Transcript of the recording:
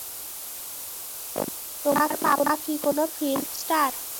তোমার পাপা কি কোন ফিল্ম স্টার?